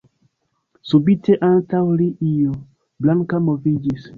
Subite antaŭ li io blanka moviĝis.